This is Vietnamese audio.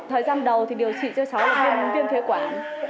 thời gian đầu thì điều trị cho cháu là viêm thuế quản